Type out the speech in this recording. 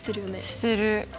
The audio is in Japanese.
してる。